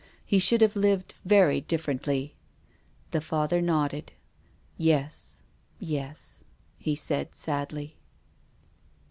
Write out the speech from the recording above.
He should have lived very differently." The I'athcr nodded. " Yes, yes," he said, sadly.